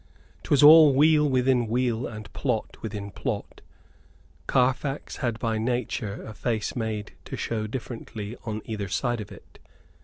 'Twas all wheel within wheel and plot within plot. Carfax had by nature a face made to show differently on either side of it.